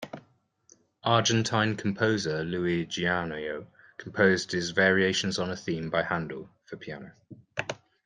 Argentine composer Luis Gianneo composed his "Variations on a Theme by Handel" for piano.